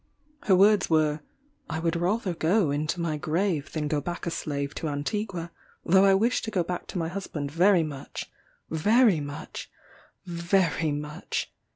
Her words were, "I would rather go into my grave than go back a slave to Antigua, though I wish to go back to my husband very much very much very much!